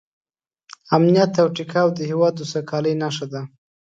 امنیت او ټیکاو د هېواد د سوکالۍ نښه ده.